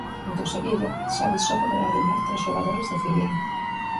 Ante o Sevilla Xavi só poderá aliñar tres xogadores do filial.